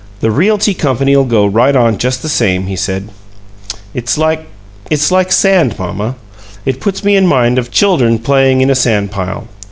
"The Realty Company'll go right on just the same," he said. "It's like it's like sand, mamma. It puts me in mind of chuldern playin' in a sand pile.